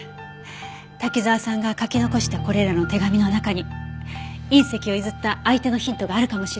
滝沢さんが書き残したこれらの手紙の中に隕石を譲った相手のヒントがあるかもしれない。